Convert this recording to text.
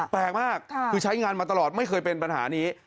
แปลกมากคือใช้งานมาตลอดไม่เคยเป็นปัญหานี้